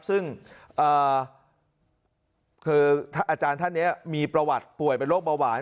ซึ่งคืออาจารย์ท่านนี้มีประวัติป่วยเป็นโรคเบาหวาน